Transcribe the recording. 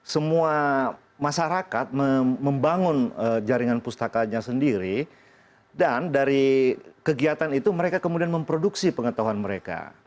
semua masyarakat membangun jaringan pustakanya sendiri dan dari kegiatan itu mereka kemudian memproduksi pengetahuan mereka